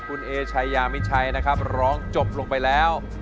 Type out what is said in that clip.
คุณเอชายามิชัยนะครับร้องจบลงไปแล้ว